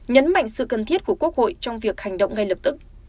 nhấn mạnh sự cần thiết của quốc hội trong việc hành động ngay lập tức